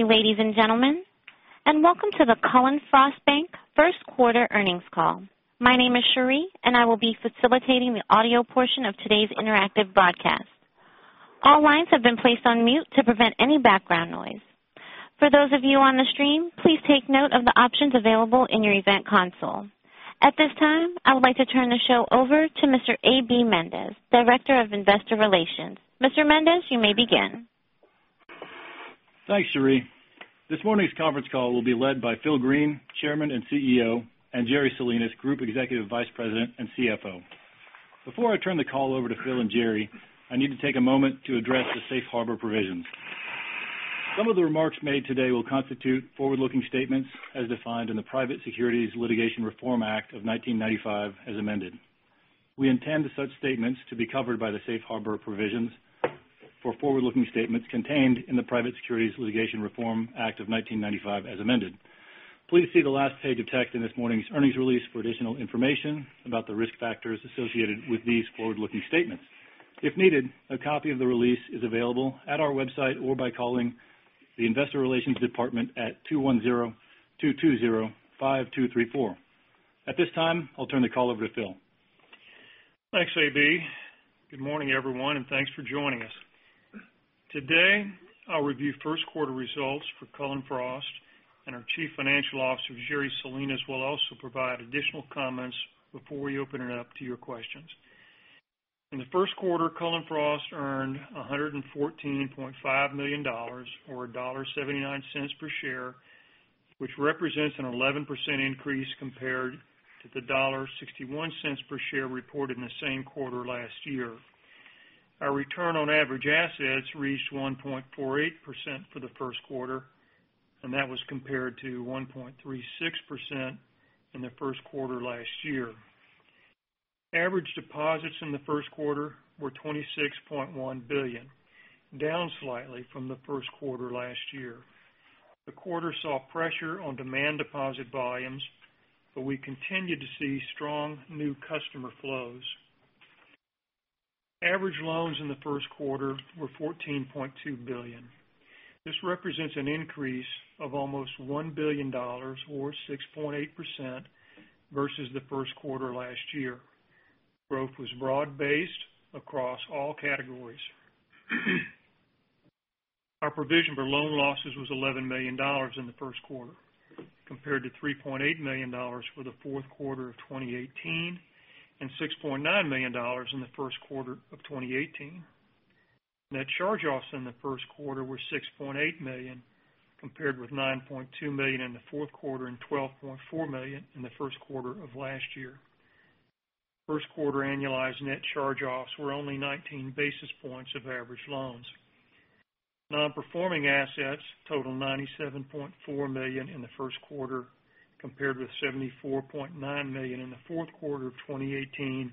Good day, ladies and gentlemen, and welcome to the Cullen/Frost Bank first quarter earnings call. My name is Cherie, and I will be facilitating the audio portion of today's interactive broadcast. All lines have been placed on mute to prevent any background noise. For those of you on the stream, please take note of the options available in your event console. At this time, I would like to turn the show over to Mr. A.B. Mendez, Director of Investor Relations. Mr. Mendez, you may begin. Thanks, Cherie. This morning's conference call will be led by Phil Green, Chairman and CEO, and Jerry Salinas, Group Executive Vice President and CFO. Before I turn the call over to Phil and Jerry, I need to take a moment to address the safe harbor provisions. Some of the remarks made today will constitute forward-looking statements as defined in the Private Securities Litigation Reform Act of 1995 as amended. We intend for such statements to be covered by the safe harbor provisions for forward-looking statements contained in the Private Securities Litigation Reform Act of 1995 as amended. Please see the last page of text in this morning's earnings release for additional information about the risk factors associated with these forward-looking statements. If needed, a copy of the release is available at our website or by calling the investor relations department at 210-220-5234. At this time, I'll turn the call over to Phil. Thanks, A.B. Good morning, everyone, and thanks for joining us. Today, I'll review first quarter results for Cullen/Frost, and our Chief Financial Officer, Jerry Salinas, will also provide additional comments before we open it up to your questions. In the first quarter, Cullen/Frost earned $114.5 million, or $1.79 per share, which represents an 11% increase compared to the $1.61 per share reported in the same quarter last year. Our return on average assets reached 1.48% for the first quarter, and that was compared to 1.36% in the first quarter last year. Average deposits in the first quarter were $26.1 billion, down slightly from the first quarter last year. The quarter saw pressure on demand deposit volumes, but we continued to see strong new customer flows. Average loans in the first quarter were $14.2 billion. This represents an increase of almost $1 billion, or 6.8%, versus the first quarter last year. Growth was broad-based across all categories. Our provision for loan losses was $11 million in the first quarter, compared to $3.8 million for the fourth quarter of 2018 and $6.9 million in the first quarter of 2018. Net charge-offs in the first quarter were $6.8 million, compared with $9.2 million in the fourth quarter and $12.4 million in the first quarter of last year. First quarter annualized net charge-offs were only 19 basis points of average loans. Non-performing assets total $97.4 million in the first quarter, compared with $74.9 million in the fourth quarter of 2018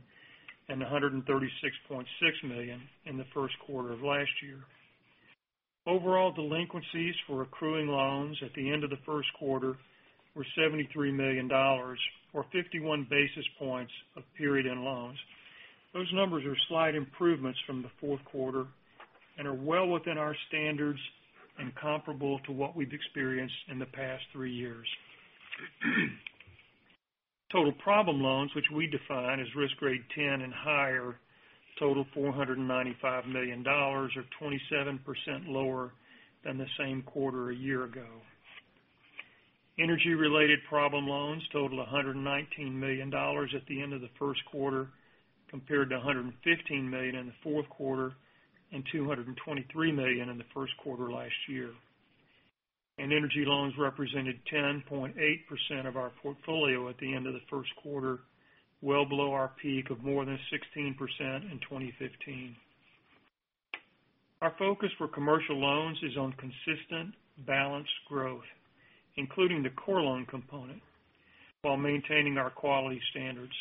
and $136.6 million in the first quarter of last year. Overall delinquencies for accruing loans at the end of the first quarter were $73 million, or 51 basis points of period-end loans. Those numbers are slight improvements from the fourth quarter and are well within our standards and comparable to what we've experienced in the past three years. Total problem loans, which we define as risk grade 10 and higher, total $495 million, or 27% lower than the same quarter a year ago. Energy-related problem loans total $119 million at the end of the first quarter, compared to $115 million in the fourth quarter and $223 million in the first quarter last year. Energy loans represented 10.8% of our portfolio at the end of the first quarter, well below our peak of more than 16% in 2015. Our focus for commercial loans is on consistent, balanced growth, including the core loan component, while maintaining our quality standards.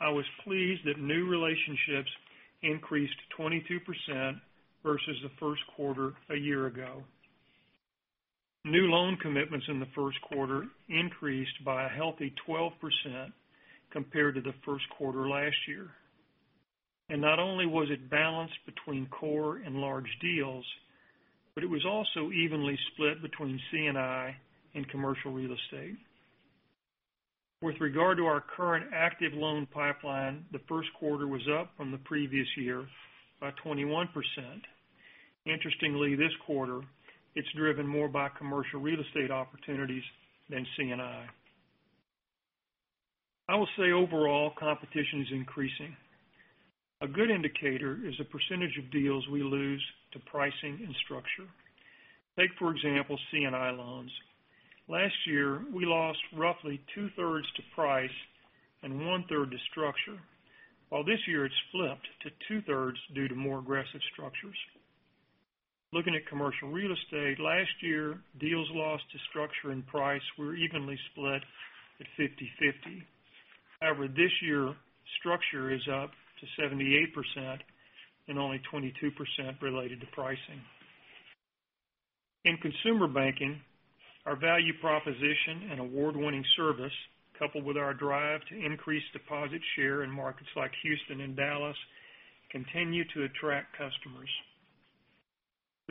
I was pleased that new relationships increased 22% versus the first quarter a year ago. New loan commitments in the first quarter increased by a healthy 12% compared to the first quarter last year. Not only was it balanced between core and large deals, but it was also evenly split between C&I and commercial real estate. With regard to our current active loan pipeline, the first quarter was up from the previous year by 21%. Interestingly, this quarter, it's driven more by commercial real estate opportunities than C&I. I will say overall, competition is increasing. A good indicator is the percentage of deals we lose to pricing and structure. Take, for example, C&I loans. Last year, we lost roughly two-thirds to price and one-third to structure, while this year it's flipped to two-thirds due to more aggressive structures. Looking at commercial real estate, last year, deals lost to structure and price were evenly split at 50/50. This year, structure is up to 78% and only 22% related to pricing. In consumer banking. Our value proposition and award-winning service, coupled with our drive to increase deposit share in markets like Houston and Dallas, continue to attract customers.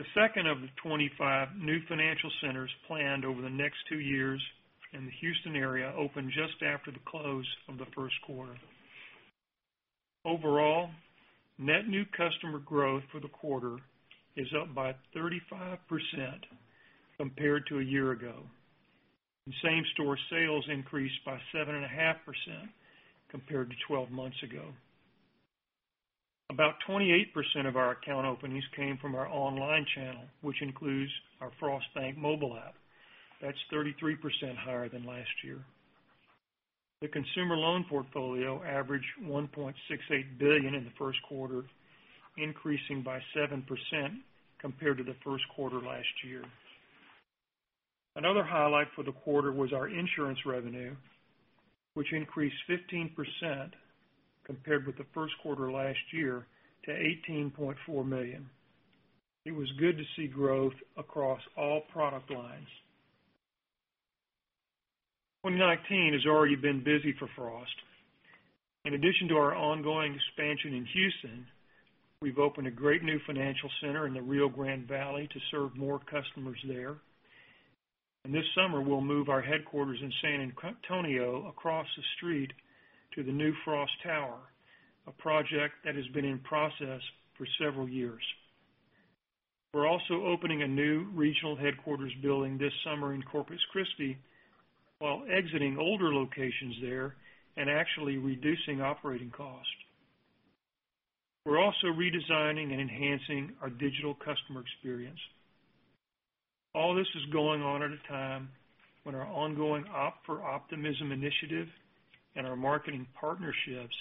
The second of the 25 new financial centers planned over the next two years in the Houston area opened just after the close of the first quarter. Overall, net new customer growth for the quarter is up by 35% compared to a year ago, and same-store sales increased by 7.5% compared to 12 months ago. About 28% of our account openings came from our online channel, which includes our Frost Bank mobile app. That's 33% higher than last year. The consumer loan portfolio averaged $1.68 billion in the first quarter, increasing by 7% compared to the first quarter last year. Another highlight for the quarter was our insurance revenue, which increased 15% compared with the first quarter last year to $18.4 million. It was good to see growth across all product lines. 2019 has already been busy for Frost. In addition to our ongoing expansion in Houston, we've opened a great new financial center in the Rio Grande Valley to serve more customers there. This summer, we'll move our headquarters in San Antonio across the street to the new Frost Tower, a project that has been in process for several years. We're also opening a new regional headquarters building this summer in Corpus Christi while exiting older locations there and actually reducing operating cost. We're also redesigning and enhancing our digital customer experience. All this is going on at a time when our ongoing Opt for Optimism initiative and our marketing partnerships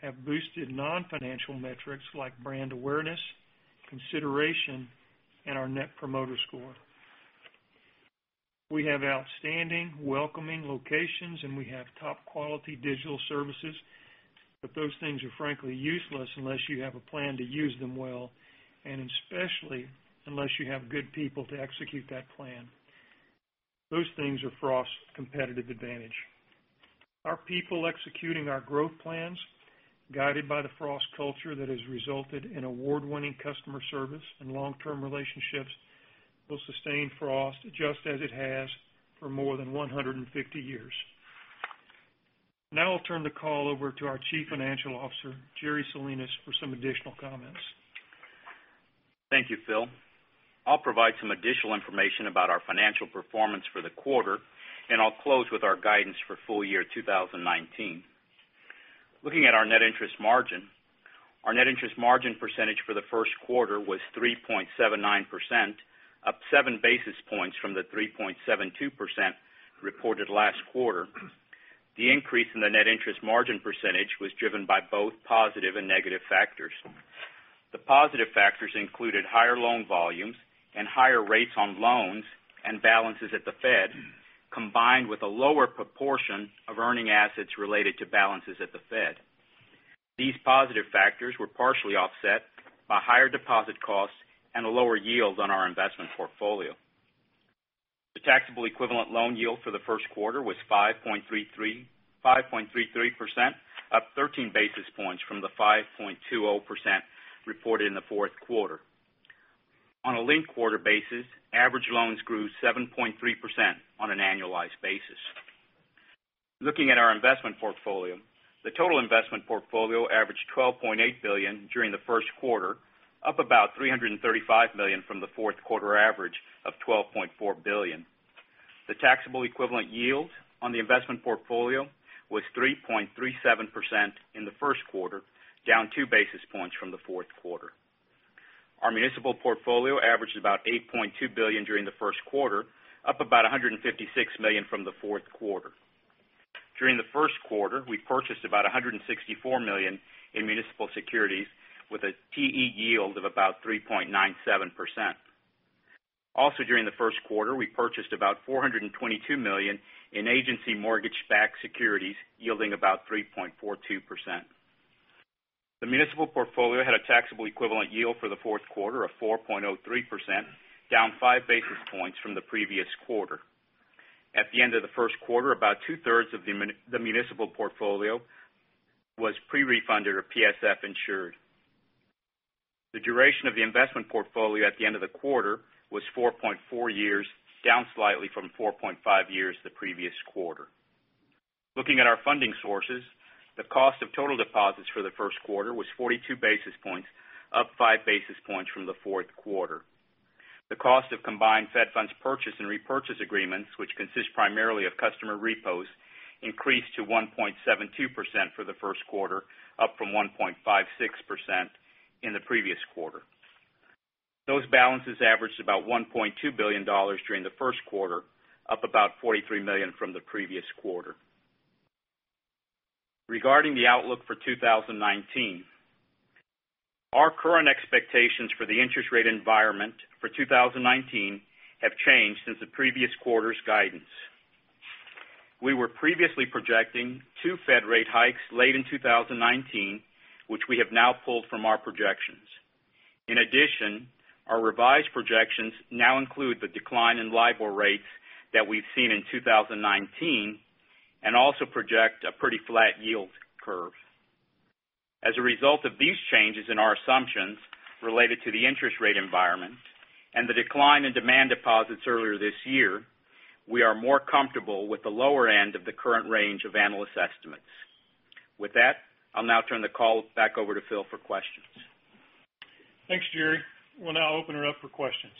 have boosted non-financial metrics like brand awareness, consideration, and our net promoter score. We have outstanding, welcoming locations, and we have top-quality digital services. Those things are frankly useless unless you have a plan to use them well, and especially unless you have good people to execute that plan. Those things are Frost's competitive advantage. Our people executing our growth plans, guided by the Frost culture that has resulted in award-winning customer service and long-term relationships, will sustain Frost just as it has for more than 150 years. I'll turn the call over to our Chief Financial Officer, Jerry Salinas, for some additional comments. Thank you, Phil. I'll provide some additional information about our financial performance for the quarter, I'll close with our guidance for full year 2019. Looking at our net interest margin, our net interest margin percentage for the first quarter was 3.79%, up seven basis points from the 3.72% reported last quarter. The increase in the net interest margin percentage was driven by both positive and negative factors. The positive factors included higher loan volumes and higher rates on loans and balances at the Fed, combined with a lower proportion of earning assets related to balances at the Fed. These positive factors were partially offset by higher deposit costs and a lower yield on our investment portfolio. The taxable equivalent loan yield for the first quarter was 5.33%, up 13 basis points from the 5.20% reported in the fourth quarter. On a linked quarter basis, average loans grew 7.3% on an annualized basis. Looking at our investment portfolio, the total investment portfolio averaged $12.8 billion during the first quarter, up about $335 million from the fourth quarter average of $12.4 billion. The taxable equivalent yield on the investment portfolio was 3.37% in the first quarter, down two basis points from the fourth quarter. Our municipal portfolio averaged about $8.2 billion during the first quarter, up about $156 million from the fourth quarter. During the first quarter, we purchased about $164 million in municipal securities with a TE yield of about 3.97%. During the first quarter, we purchased about $422 million in agency mortgage-backed securities yielding about 3.42%. The municipal portfolio had a taxable equivalent yield for the fourth quarter of 4.03%, down five basis points from the previous quarter. At the end of the first quarter, about two-thirds of the municipal portfolio was pre-refunded or PSF insured. The duration of the investment portfolio at the end of the quarter was 4.4 years, down slightly from 4.5 years the previous quarter. Looking at our funding sources, the cost of total deposits for the first quarter was 42 basis points, up five basis points from the fourth quarter. The cost of combined Fed funds purchase and repurchase agreements, which consist primarily of customer repos, increased to 1.72% for the first quarter, up from 1.56% in the previous quarter. Those balances averaged about $1.2 billion during the first quarter, up about $43 million from the previous quarter. Regarding the outlook for 2019, our current expectations for the interest rate environment for 2019 have changed since the previous quarter's guidance. We were previously projecting two Fed rate hikes late in 2019, which we have now pulled from our projections. Our revised projections now include the decline in LIBOR rates that we've seen in 2019 and also project a pretty flat yield curve. As a result of these changes in our assumptions related to the interest rate environment and the decline in demand deposits earlier this year, we are more comfortable with the lower end of the current range of analyst estimates. With that, I'll now turn the call back over to Phil for questions. Thanks, Jerry. We'll now open it up for questions.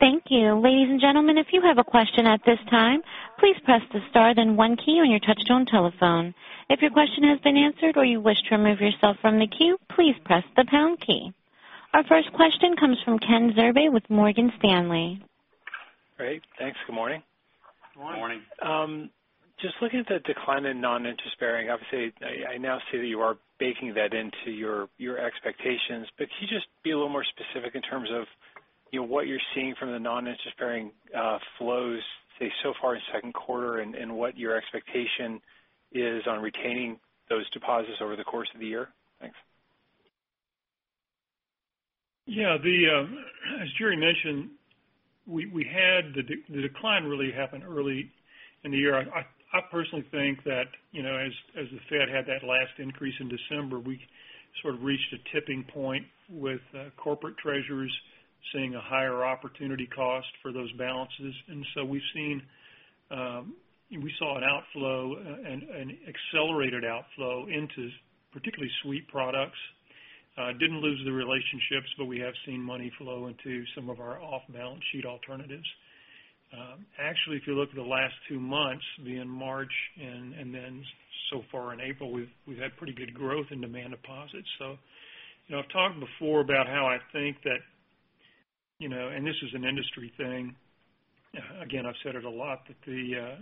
Thank you. Ladies and gentlemen, if you have a question at this time, please press the star then one key on your touch-tone telephone. If your question has been answered or you wish to remove yourself from the queue, please press the pound key. Our first question comes from Ken Zerbe with Morgan Stanley. Great. Thanks. Good morning. Good morning. Morning. Just looking at the decline in non-interest bearing, obviously, I now see that you are baking that into your expectations, can you just be a little more specific in terms of what you're seeing from the non-interest-bearing flows, say, so far in second quarter, and what your expectation is on retaining those deposits over the course of the year? Thanks. Yeah. As Jerry mentioned, the decline really happened early in the year. I personally think that, as the Fed had that last increase in December, we sort of reached a tipping point with corporate treasurers seeing a higher opportunity cost for those balances. We saw an outflow, an accelerated outflow into particularly sweep products. Didn't lose the relationships, but we have seen money flow into some of our off-balance sheet alternatives. Actually, if you look at the last two months, March and then so far in April, we've had pretty good growth in demand deposits. I've talked before about how I think that, and this is an industry thing, again, I've said it a lot, that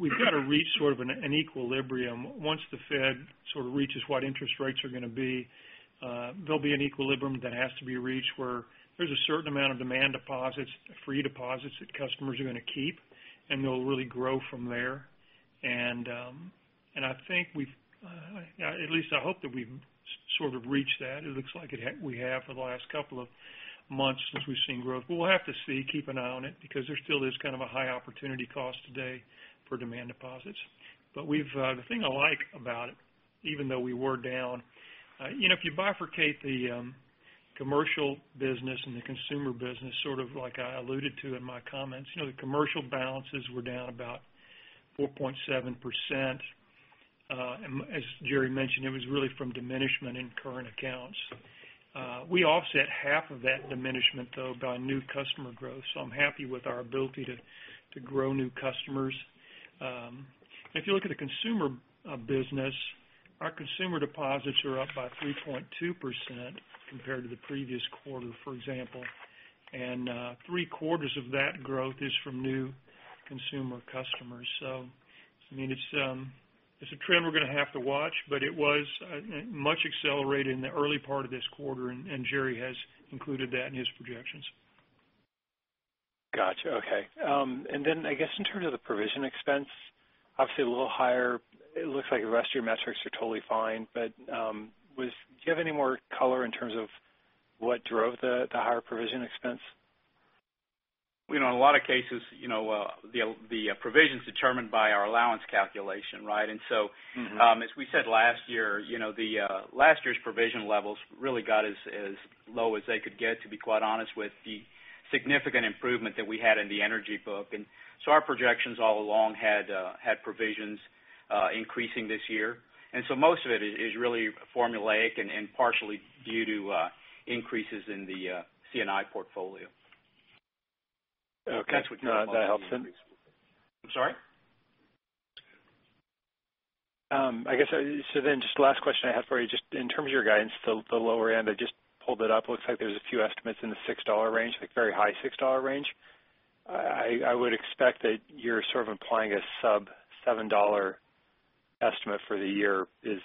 we've got to reach sort of an equilibrium. Once the Fed sort of reaches what interest rates are going to be there'll be an equilibrium that has to be reached, where there's a certain amount of demand deposits, free deposits that customers are going to keep, and they'll really grow from there. I think we've, at least I hope that we've sort of reached that. It looks like we have for the last couple of months since we've seen growth. We'll have to see, keep an eye on it, because there still is kind of a high opportunity cost today for demand deposits. The thing I like about it, even though we were down, if you bifurcate the commercial business and the consumer business, sort of like I alluded to in my comments, the commercial balances were down about 4.7%, as Jerry mentioned, it was really from diminishment in current accounts. We offset half of that diminishment, though, by new customer growth. I'm happy with our ability to grow new customers. If you look at the consumer business, our consumer deposits are up by 3.2% compared to the previous quarter, for example. Three-quarters of that growth is from new consumer customers. It's a trend we're going to have to watch, but it was much accelerated in the early part of this quarter, and Jerry has included that in his projections. Got you. Okay. Then, I guess in terms of the provision expense, obviously a little higher. It looks like the rest of your metrics are totally fine. Do you have any more color in terms of what drove the higher provision expense? In a lot of cases the provision's determined by our allowance calculation, right? As we said last year, last year's provision levels really got as low as they could get, to be quite honest, with the significant improvement that we had in the energy book. Our projections all along had provisions increasing this year. Most of it is really formulaic and partially due to increases in the C&I portfolio. Okay. That helps then. I'm sorry? Just the last question I had for you, just in terms of your guidance, the lower end, I just pulled it up. It looks like there's a few estimates in the $6 range, like very high $6 range. I would expect that you're sort of implying a sub $7 estimate for the year is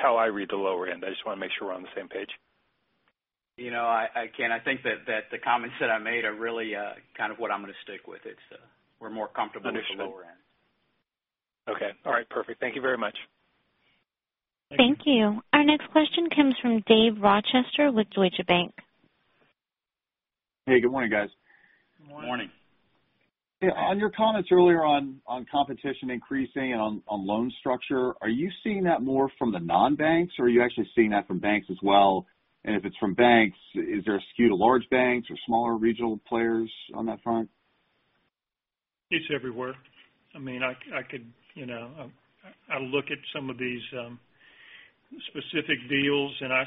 how I read the lower end. I just want to make sure we're on the same page. I think that the comments that I made are really kind of what I'm going to stick with. It's we're more comfortable with the lower end. Understood. Okay. All right, perfect. Thank you very much. Thank you. Our next question comes from Dave Rochester with Deutsche Bank. Hey, good morning, guys. Good morning. Morning. On your comments earlier on competition increasing and on loan structure, are you seeing that more from the non-banks, or are you actually seeing that from banks as well? If it's from banks, is there a skew to large banks or smaller regional players on that front? It's everywhere. I look at some of these specific deals, I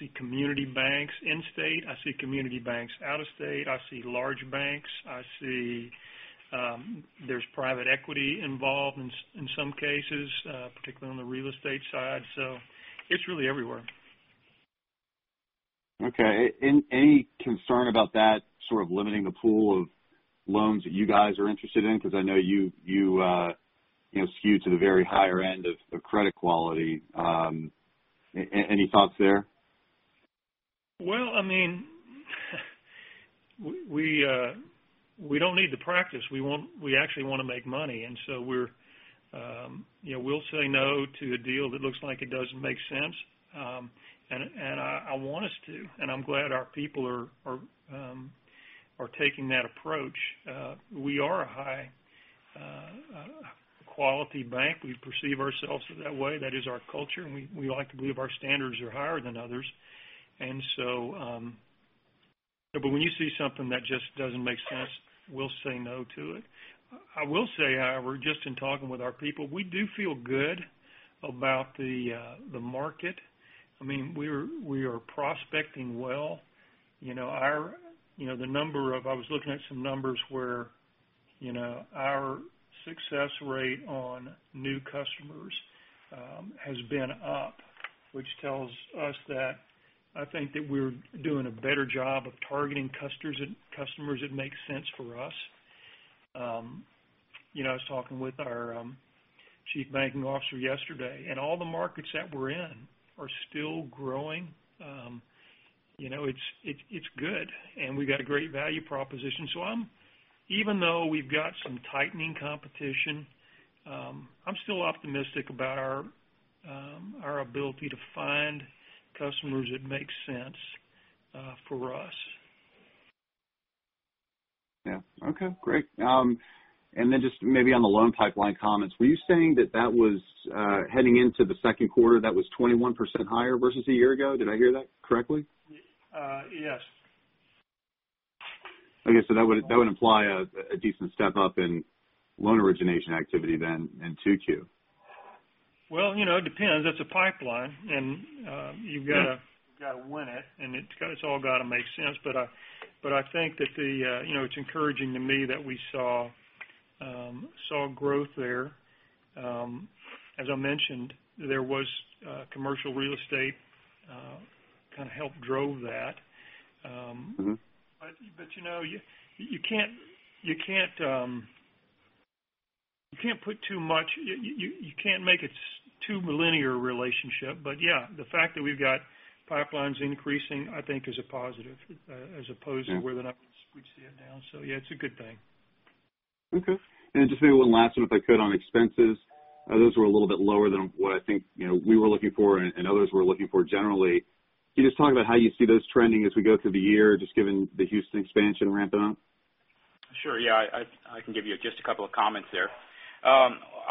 see community banks in-state. I see community banks out-of-state. I see large banks. There's private equity involved in some cases, particularly on the real estate side. It's really everywhere. Okay. Any concern about that sort of limiting the pool of loans that you guys are interested in? I know you skew to the very higher end of credit quality. Any thoughts there? Well, we don't need the practice. We actually want to make money. We'll say no to a deal that looks like it doesn't make sense. I want us to, and I'm glad our people are taking that approach. We are a high-quality bank. We perceive ourselves that way. That is our culture, and we like to believe our standards are higher than others. When you see something that just doesn't make sense, we'll say no to it. I will say, however, just in talking with our people, we do feel good about the market. We are prospecting well. I was looking at some numbers where our success rate on new customers has been up, which tells us that, I think that we're doing a better job of targeting customers that make sense for us. I was talking with our chief banking officer yesterday. All the markets that we're in are still growing. It's good. We've got a great value proposition. Even though we've got some tightening competition, I'm still optimistic about our ability to find customers that make sense for us. Yeah. Okay, great. Just maybe on the loan pipeline comments, were you saying that heading into the second quarter, that was 21% higher versus a year ago? Did I hear that correctly? Yes. I guess that would imply a decent step-up in loan origination activity in 2Q. It depends. That's a pipeline, you've got to win it's all got to make sense. I think that it's encouraging to me that we saw growth there. As I mentioned, there was commercial real estate kind of helped drove that. You can't make it too linear a relationship. Yeah, the fact that we've got pipelines increasing, I think is a positive as opposed to where the numbers would sit now. Yeah, it's a good thing. Okay. Just maybe one last one, if I could, on expenses. Those were a little bit lower than what I think we were looking for and others were looking for generally. Can you just talk about how you see those trending as we go through the year, just given the Houston expansion ramping up? Sure, yeah. I can give you just a couple of comments there.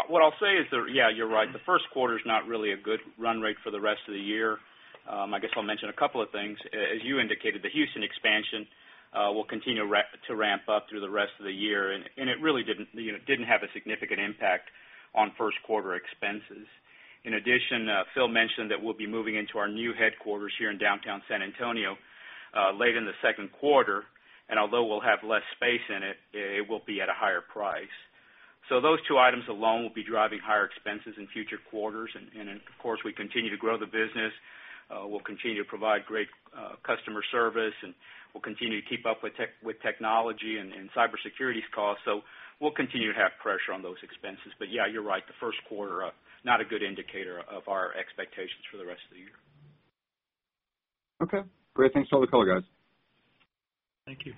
What I'll say is that, yeah, you're right. The first quarter's not really a good run rate for the rest of the year. I guess I'll mention a couple of things. As you indicated, the Houston expansion will continue to ramp up through the rest of the year, it really didn't have a significant impact on first quarter expenses. In addition, Phil mentioned that we'll be moving into our new headquarters here in downtown San Antonio late in the second quarter, although we'll have less space in it will be at a higher price. Those two items alone will be driving higher expenses in future quarters. Of course, we continue to grow the business. We'll continue to provide great customer service, we'll continue to keep up with technology and cybersecurity costs. We'll continue to have pressure on those expenses. Yeah, you're right. The first quarter, not a good indicator of our expectations for the rest of the year. Okay, great. Thanks for all the color, guys. Thank you.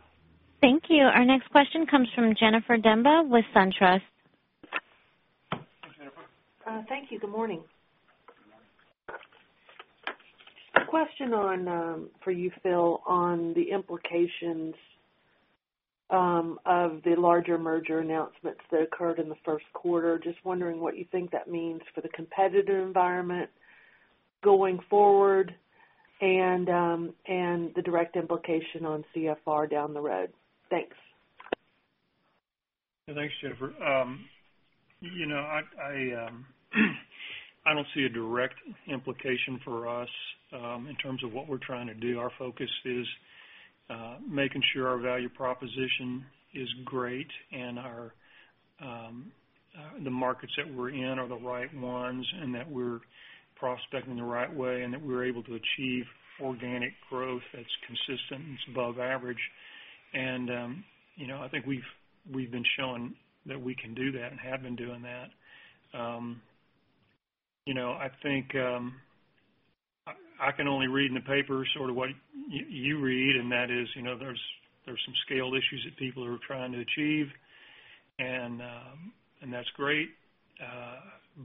Thank you. Our next question comes from Jennifer Demba with SunTrust. Hi, Jennifer. Thank you. Good morning. Good morning. Question for you, Phil, on the implications of the larger merger announcements that occurred in the first quarter. Just wondering what you think that means for the competitive environment going forward and the direct implication on CFR down the road. Thanks. Thanks, Jennifer. I don't see a direct implication for us in terms of what we're trying to do. Our focus is making sure our value proposition is great and the markets that we're in are the right ones, and that we're prospecting the right way, and that we're able to achieve organic growth that's consistent and above average. I think we've been showing that we can do that and have been doing that. I think I can only read in the papers sort of what you read, and that is there's some scale issues that people are trying to achieve, and that's great. There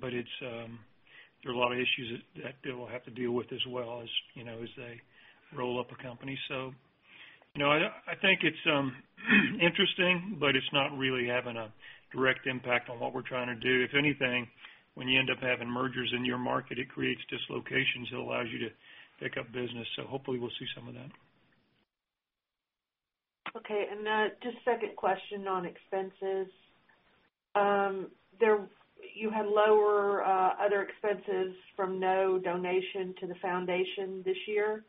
are a lot of issues that they will have to deal with as well as they roll up a company. I think it's interesting, but it's not really having a direct impact on what we're trying to do. If anything, when you end up having mergers in your market, it creates dislocations that allows you to pick up business. Hopefully we'll see some of that. Okay, just second question on expenses. You had lower other expenses from no donation to the foundation this year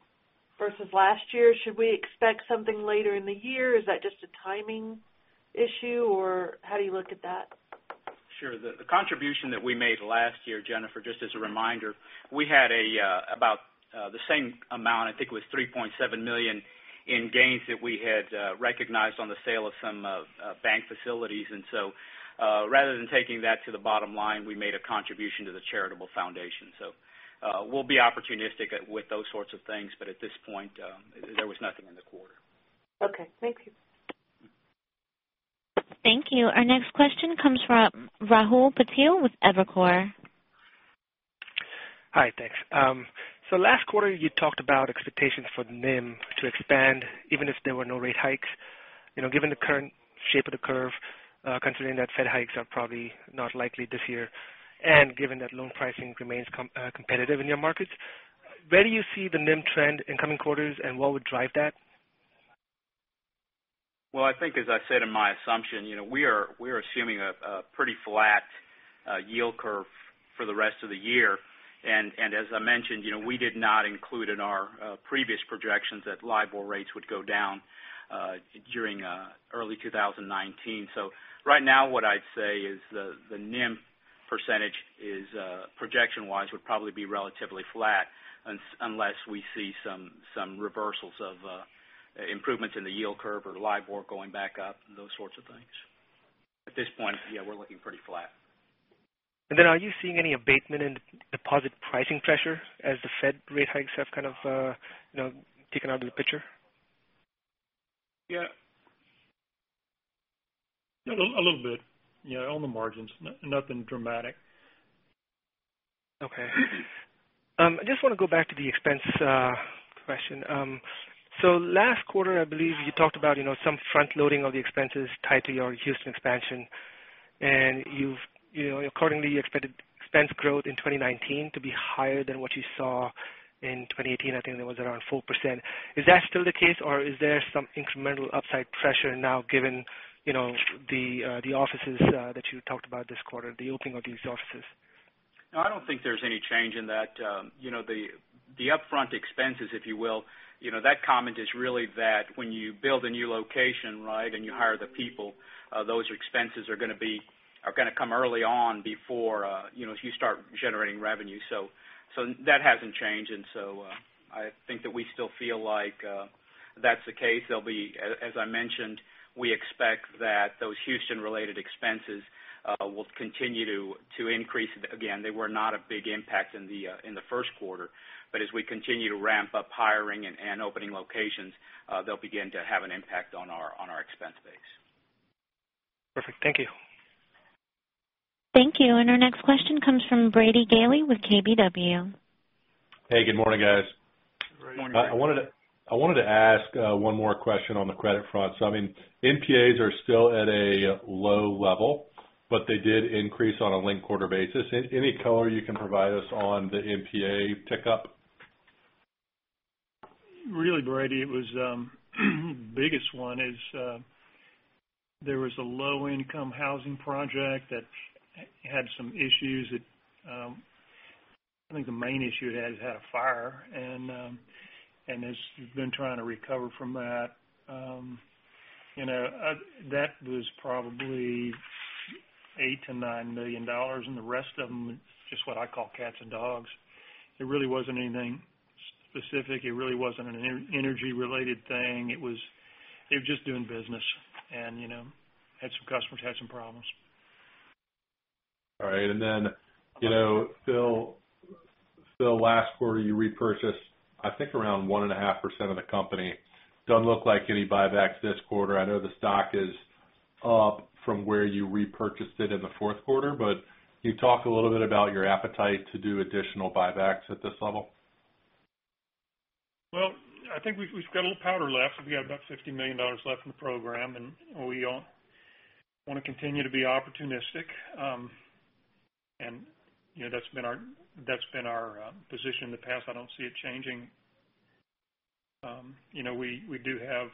versus last year. Should we expect something later in the year? Is that just a timing issue, or how do you look at that? Sure. The contribution that we made last year, Jennifer, just as a reminder, we had about the same amount, I think it was $3.7 million in gains that we had recognized on the sale of some bank facilities. Rather than taking that to the bottom line, we made a contribution to the charitable foundation. We'll be opportunistic with those sorts of things, but at this point, there was nothing in the quarter. Okay. Thank you. Thank you. Our next question comes from Rahul Patil with Evercore. Hi, thanks. Last quarter you talked about expectations for NIM to expand, even if there were no rate hikes. Given the current shape of the curve, considering that Fed hikes are probably not likely this year, and given that loan pricing remains competitive in your markets, where do you see the NIM trend in coming quarters, and what would drive that? Well, I think, as I said, in my assumption, we are assuming a pretty flat yield curve for the rest of the year. As I mentioned, we did not include in our previous projections that LIBOR rates would go down during early 2019. Right now, what I'd say is the NIM percentage, projection-wise, would probably be relatively flat unless we see some reversals of improvements in the yield curve or LIBOR going back up and those sorts of things. At this point, yeah, we're looking pretty flat. Are you seeing any abatement in deposit pricing pressure as the Fed rate hikes have kind of taken out of the picture? Yeah. A little bit. Yeah, on the margins, nothing dramatic. Okay. I just want to go back to the expense question. Last quarter, I believe you talked about some front-loading of the expenses tied to your Houston expansion, and you've accordingly expected expense growth in 2019 to be higher than what you saw in 2018. I think that was around 4%. Is that still the case, or is there some incremental upside pressure now given the offices that you talked about this quarter, the opening of these offices? No, I don't think there's any change in that. The upfront expenses, if you will, that comment is really that when you build a new location, right, and you hire the people, those expenses are going to come early on before you start generating revenue. That hasn't changed, I think that we still feel like that's the case. As I mentioned, we expect that those Houston-related expenses will continue to increase. Again, they were not a big impact in the first quarter, but as we continue to ramp up hiring and opening locations, they'll begin to have an impact on our expense base. Perfect. Thank you. Thank you. Our next question comes from Brady Gailey with KBW. Hey, good morning, guys. Good morning. Good morning. I wanted to ask one more question on the credit front. NPAs are still at a low level, but they did increase on a linked quarter basis. Any color you can provide us on the NPA tick-up? Really, Brady, the biggest one is there was a low-income housing project that had some issues. I think the main issue it had is it had a fire, and it's been trying to recover from that. That was probably $8 million-$9 million, and the rest of them, just what I call cats and dogs. It really wasn't anything specific. It really wasn't an energy-related thing. They were just doing business, and some customers had some problems. Phil, last quarter you repurchased, I think, around 1.5% of the company. Doesn't look like any buybacks this quarter. I know the stock is up from where you repurchased it in the fourth quarter, can you talk a little bit about your appetite to do additional buybacks at this level? Well, I think we've got a little powder left. We have about $50 million left in the program. We want to continue to be opportunistic. That's been our position in the past. I don't see it changing. We do have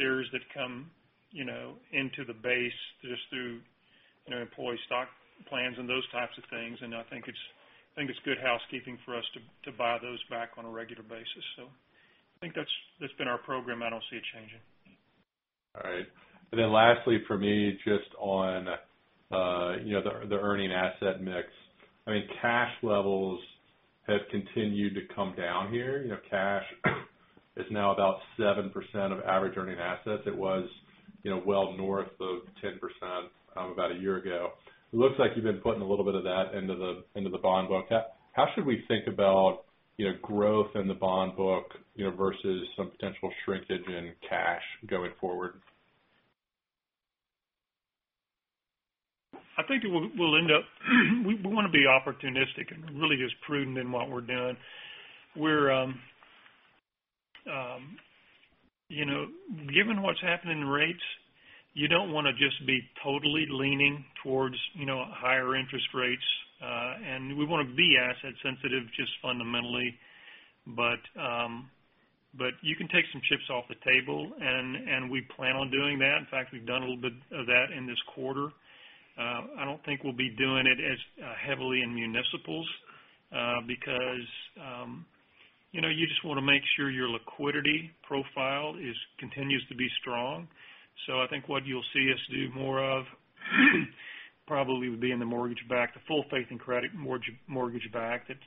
shares that come into the base just through employee stock plans and those types of things. I think it's good housekeeping for us to buy those back on a regular basis. I think that's been our program. I don't see it changing. All right. Lastly for me, just on the earning asset mix. Cash levels have continued to come down here. Cash is now about 7% of average earning assets. It was well north of 10% about a year ago. It looks like you've been putting a little bit of that into the bond book. How should we think about growth in the bond book, versus some potential shrinkage in cash going forward? We want to be opportunistic and really just prudent in what we're doing. Given what's happening in rates, you don't want to just be totally leaning towards higher interest rates. We want to be asset sensitive, just fundamentally. You can take some chips off the table. We plan on doing that. In fact, we've done a little bit of that in this quarter. I don't think we'll be doing it as heavily in municipals because you just want to make sure your liquidity profile continues to be strong. I think what you'll see us do more of probably would be in the mortgage-backed, the full faith and credit mortgage-backed that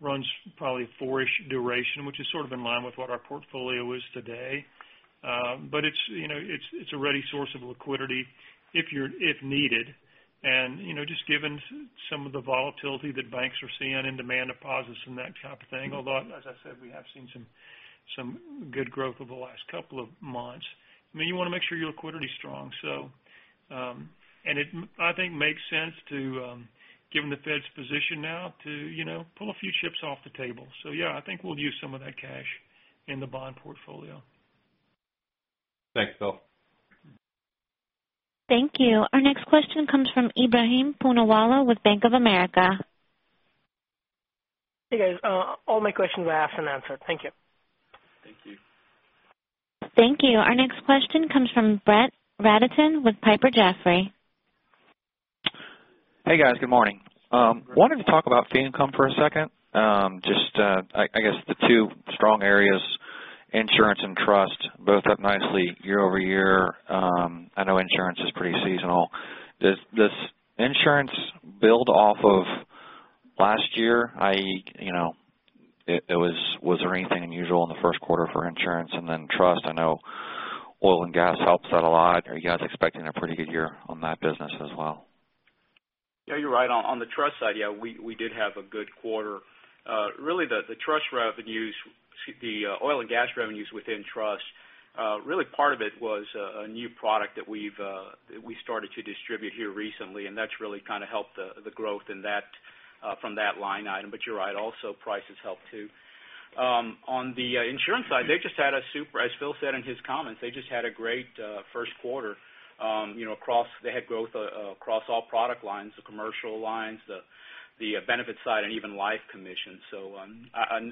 runs probably four-ish duration, which is in line with what our portfolio is today. It's a ready source of liquidity if needed. Just given some of the volatility that banks are seeing in demand deposits and that type of thing, although, as I said, we have seen some good growth over the last couple of months. You want to make sure your liquidity is strong. It, I think, makes sense to, given the Fed's position now, to pull a few chips off the table. Yeah, I think we'll use some of that cash in the bond portfolio. Thanks, Phil. Thank you. Our next question comes from Ebrahim Poonawala with Bank of America. Hey, guys. All my questions were asked and answered. Thank you. Thank you. Thank you. Our next question comes from Brett Rabatin with Piper Jaffray. Hey, guys. Good morning. I guess the two strong areas, insurance and trust, both up nicely year-over-year. I know insurance is pretty seasonal. Does insurance build off of last year, i.e., was there anything unusual in the first quarter for insurance? And then trust, I know oil and gas helps that a lot. Are you guys expecting a pretty good year on that business as well? Yeah, you're right. On the trust side, yeah, we did have a good quarter. The trust revenues, the oil and gas revenues within trust, really part of it was a new product that we started to distribute here recently, and that's really helped the growth from that line item. You're right, also prices help, too. On the insurance side, as Phil said in his comments, they just had a great first quarter. They had growth across all product lines, the commercial lines, the benefits side, and even life commissions.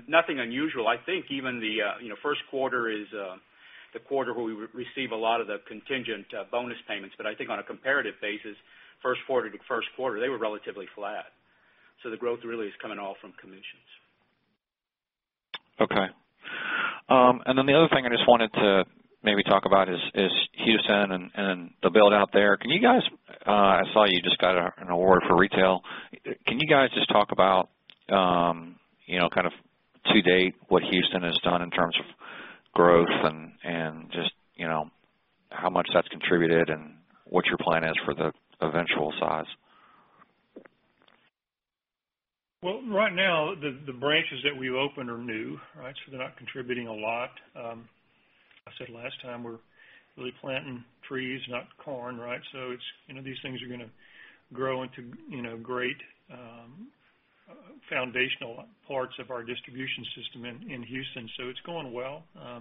Nothing unusual. I think even the first quarter is the quarter where we receive a lot of the contingent bonus payments. I think on a comparative basis, first quarter to first quarter, they were relatively flat. The growth really is coming all from commissions. Okay. The other thing I just wanted to maybe talk about is Houston and the build-out there. I saw you just got an award for retail. Can you guys just talk about to date what Houston has done in terms of growth and just how much that's contributed and what your plan is for the eventual size? Right now, the branches that we've opened are new, so they're not contributing a lot. I said last time we're really planting trees, not corn. These things are going to grow into great foundational parts of our distribution system in Houston, so it's going well. I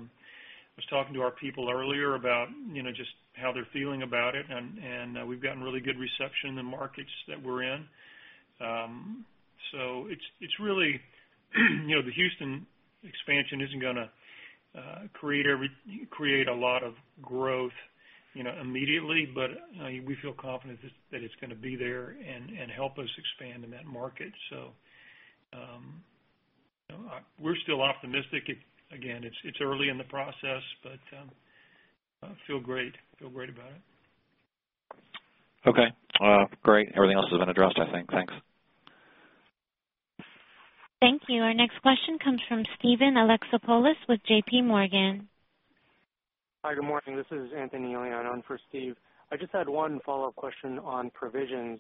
was talking to our people earlier about just how they're feeling about it, and we've gotten really good reception in the markets that we're in. The Houston expansion isn't going to create a lot of growth immediately, but we feel confident that it's going to be there and help us expand in that market. We're still optimistic. Again, it's early in the process, but I feel great about it. Okay. Great. Everything else has been addressed, I think. Thanks. Thank you. Our next question comes from Steven Alexopoulos with JPMorgan. Hi, good morning. This is Anthony Elian on for Steve. I just had one follow-up question on provisions.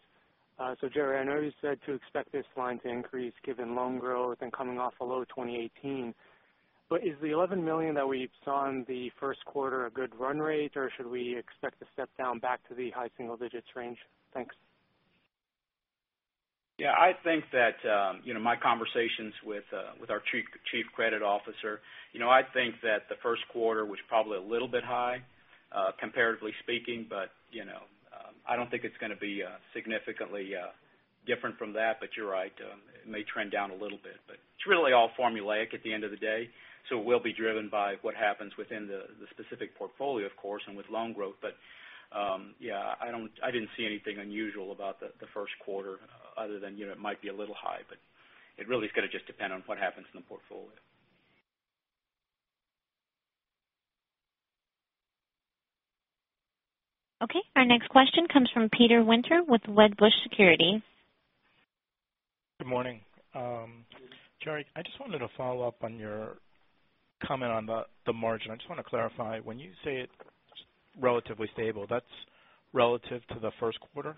Jerry, I know you said to expect this line to increase given loan growth and coming off a low 2018. Is the $11 million that we saw in the first quarter a good run rate, or should we expect a step down back to the high single digits range? Thanks. Yeah, my conversations with our Chief Credit Officer, I think that the first quarter was probably a little bit high, comparatively speaking, I don't think it's going to be significantly different from that. You're right. It may trend down a little bit. It's really all formulaic at the end of the day, so it will be driven by what happens within the specific portfolio, of course, and with loan growth. Yeah, I didn't see anything unusual about the first quarter other than it might be a little high, but it really is going to just depend on what happens in the portfolio. Okay. Our next question comes from Peter Winter with Wedbush Securities. Good morning. Good morning. Jerry, I just wanted to follow up on your comment on the margin. I just want to clarify, when you say relatively stable, that's relative to the first quarter?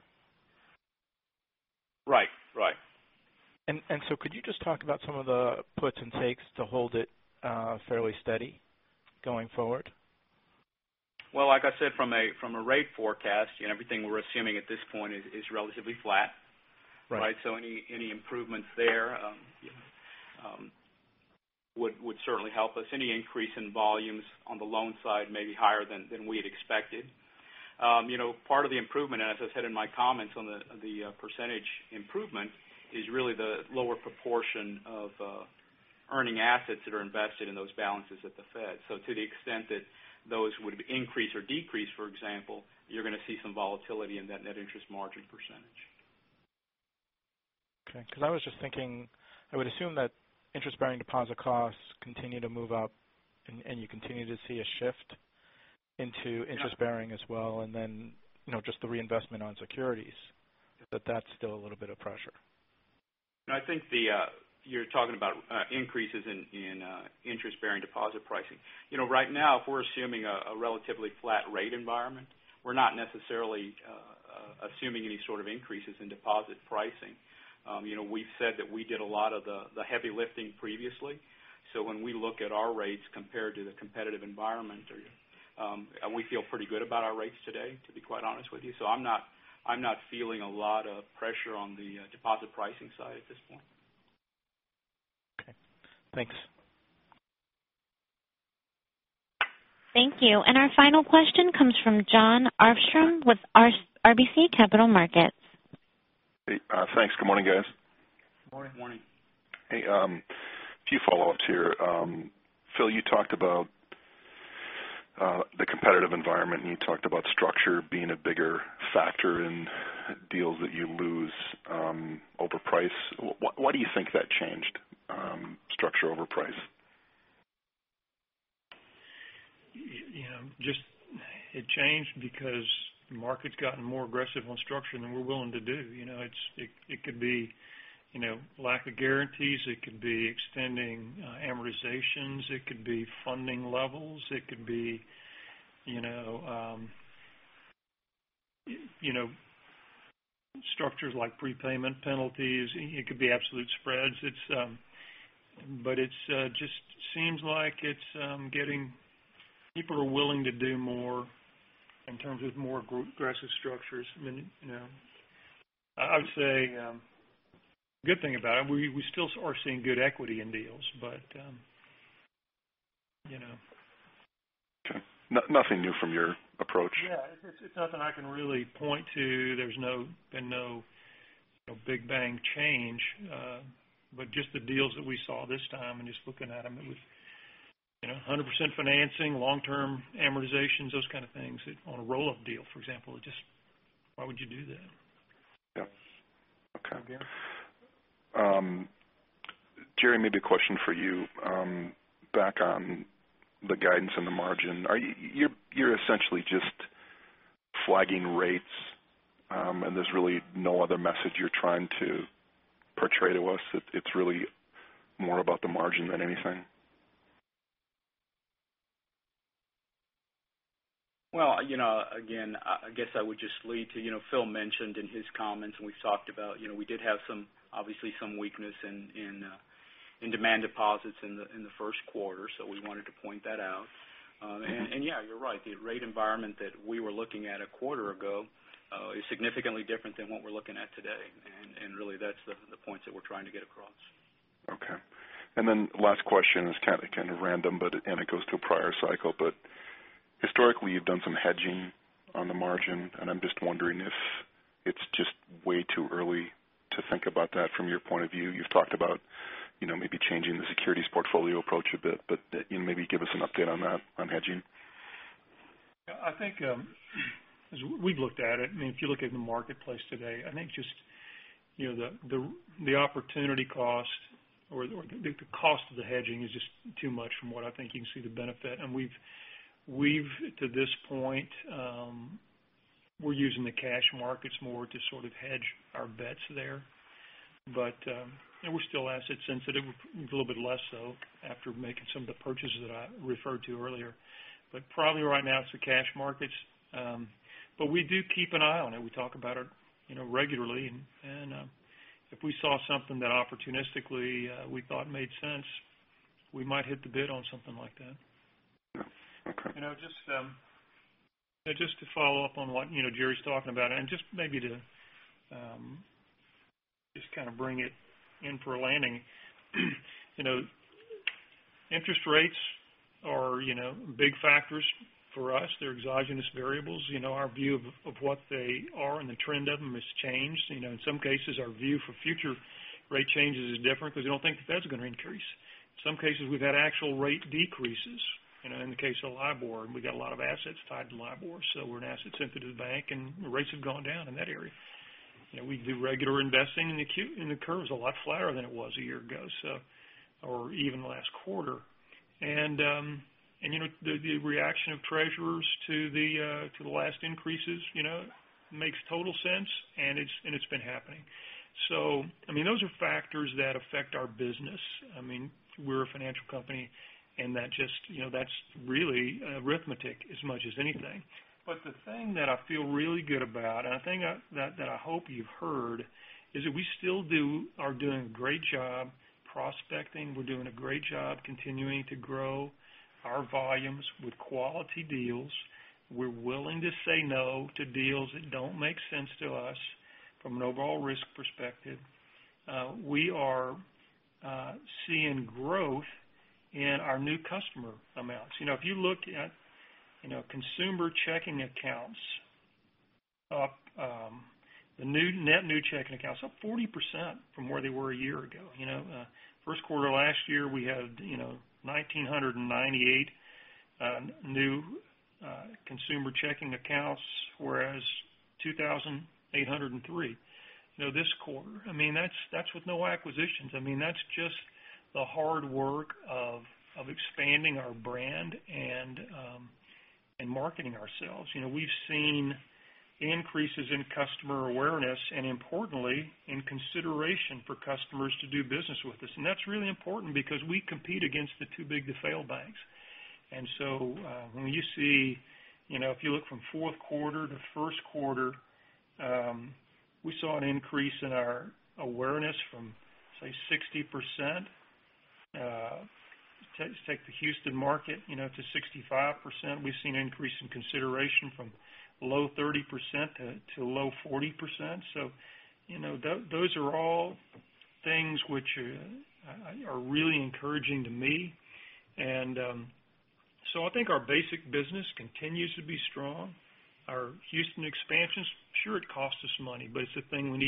Right. Could you just talk about some of the puts and takes to hold it fairly steady going forward? Well, like I said, from a rate forecast, everything we're assuming at this point is relatively flat. Right. Any improvements there would certainly help us. Any increase in volumes on the loan side may be higher than we had expected. Part of the improvement, and as I said in my comments on the percentage improvement, is really the lower proportion of earning assets that are invested in those balances at the Fed. To the extent that those would increase or decrease, for example, you're going to see some volatility in that net interest margin percentage. Okay, I was just thinking, I would assume that interest-bearing deposit costs continue to move up, and you continue to see a shift into interest-bearing as well, then just the reinvestment on securities. That's still a little bit of pressure. I think you're talking about increases in interest-bearing deposit pricing. Right now, if we're assuming a relatively flat rate environment, we're not necessarily assuming any sort of increases in deposit pricing. We've said that we did a lot of the heavy lifting previously. When we look at our rates compared to the competitive environment, we feel pretty good about our rates today, to be quite honest with you. I'm not feeling a lot of pressure on the deposit pricing side at this point. Okay. Thanks. Thank you. Our final question comes from Jon Arfstrom with RBC Capital Markets. Hey. Thanks. Good morning, guys. Good morning. Morning. Hey, a few follow-ups here. Phil, you talked about the competitive environment, you talked about structure being a bigger factor in deals that you lose over price. Why do you think that changed, structure over price? It changed because the market's gotten more aggressive on structure than we're willing to do. It could be lack of guarantees. It could be extending amortizations. It could be funding levels. It could be structures like prepayment penalties. It could be absolute spreads. It just seems like people are willing to do more in terms of more aggressive structures. I would say, good thing about it, we still are seeing good equity in deals. Okay. Nothing new from your approach? Yeah. It's nothing I can really point to. There's been no big bang change. Just the deals that we saw this time and just looking at them, it was 100% financing, long-term amortizations, those kind of things. On a roll-up deal, for example, why would you do that? Yep. Okay. Jerry, maybe a question for you. Back on the guidance and the margin. You're essentially just flagging rates, and there's really no other message you're trying to portray to us. It's really more about the margin than anything? Again, I guess I would just lead to, Phil mentioned in his comments, we've talked about we did have, obviously, some weakness in demand deposits in the first quarter, so we wanted to point that out. Yeah, you're right. The rate environment that we were looking at a quarter ago is significantly different than what we're looking at today. Really, that's the point that we're trying to get across. Okay. Last question is kind of random, and it goes to a prior cycle, but historically, you've done some hedging on the margin, and I'm just wondering if it's just way too early to think about that from your point of view. You've talked about maybe changing the securities portfolio approach a bit, but maybe give us an update on that, on hedging. I think as we've looked at it, if you look at the marketplace today, I think just the opportunity cost or the cost of the hedging is just too much from what I think you can see the benefit. To this point, we're using the cash markets more to sort of hedge our bets there. We're still asset sensitive, a little bit less so after making some of the purchases that I referred to earlier. Probably right now, it's the cash markets. We do keep an eye on it. We talk about it regularly. If we saw something that opportunistically we thought made sense, we might hit the bid on something like that. Okay. Just to follow up on what Jerry's talking about and just maybe to kind of bring it in for a landing. Interest rates are big factors for us. They're exogenous variables. Our view of what they are and the trend of them has changed. In some cases, our view for future rate changes is different because we don't think the Fed's going to increase. In some cases, we've had actual rate decreases. In the case of LIBOR, we got a lot of assets tied to LIBOR, so we're an asset-sensitive bank, and rates have gone down in that area. We do regular investing, and the curve's a lot flatter than it was a year ago or even last quarter. The reaction of treasurers to the last increases makes total sense, and it's been happening. Those are factors that affect our business. We're a financial company, and that's really arithmetic as much as anything. The thing that I feel really good about, and a thing that I hope you've heard, is that we still are doing a great job prospecting. We're doing a great job continuing to grow our volumes with quality deals. We're willing to say no to deals that don't make sense to us from an overall risk perspective. We are seeing growth in our new customer amounts. If you look at consumer checking accounts, the net new checking accounts up 40% from where they were a year ago. First quarter last year, we had 1,998 new consumer checking accounts were as 2,803 this quarter. That's with no acquisitions. That's just the hard work of expanding our brand and marketing ourselves. We've seen increases in customer awareness and importantly, in consideration for customers to do business with us. That's really important because we compete against the too big to fail banks. When you see, if you look from fourth quarter to first quarter, we saw an increase in our awareness from, say, 60%, take the Houston market, to 65%. We've seen an increase in consideration from low 30% to low 40%. Those are all things which are really encouraging to me. I think our basic business continues to be strong. Our Houston expansions, sure, it costs us money, but it's a thing we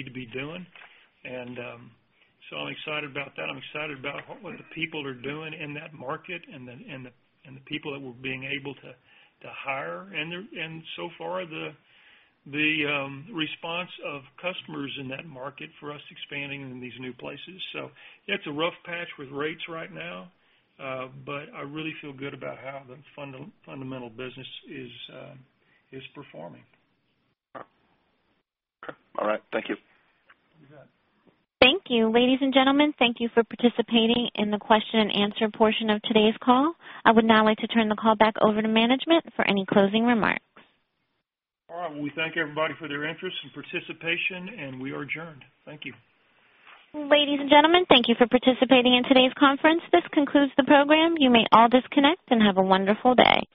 need to be doing. I'm excited about that. I'm excited about what the people are doing in that market and the people that we're being able to hire, and so far the response of customers in that market for us expanding in these new places. It's a rough patch with rates right now. I really feel good about how the fundamental business is performing. Okay. All right. Thank you. You bet. Thank you. Ladies and gentlemen, thank you for participating in the question and answer portion of today's call. I would now like to turn the call back over to management for any closing remarks. All right. Well, we thank everybody for their interest and participation. We are adjourned. Thank you. Ladies and gentlemen, thank you for participating in today's conference. This concludes the program. You may all disconnect. Have a wonderful day.